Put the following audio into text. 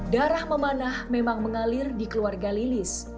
darah memanah memang mengalir di keluarga lilis